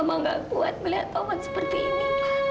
mama nggak kuat melihat tovan seperti ini pa